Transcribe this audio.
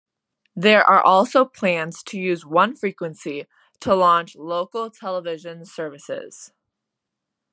There are also plans to use one frequency to launch local television services.